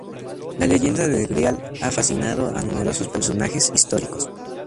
La leyenda del Grial ha fascinado a numerosos personajes históricos.